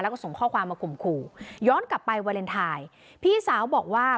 แล้วก็ส่งข้อความมาข่มขู่ย้อนกลับไปวาเลนไทยพี่สาวบอกว่า